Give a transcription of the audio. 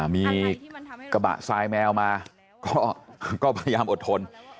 มีกระบะทรายแมวมาก็พยายามอดทน